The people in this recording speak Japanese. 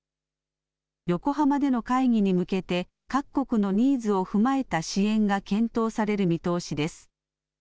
横浜での会議に向けて、各国のニーズを踏まえた支援が検討される見通しです。